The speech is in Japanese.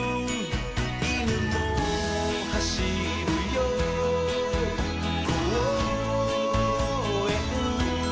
「いぬもはしるよこうえん」